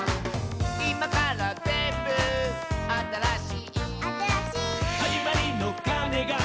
「いまからぜんぶあたらしい」「あたらしい」「はじまりのかねが」